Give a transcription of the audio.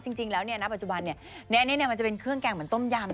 จริงแล้วณปัจจุบันนี้มันจะเป็นเครื่องแกงเหมือนต้มยำ